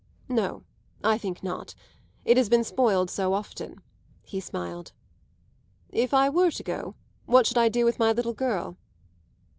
"No, I think not. It has been spoiled so often," he smiled. "If I were to go, what should I do with my little girl?"